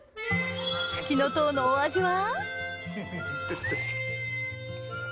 フキノトウのお味は？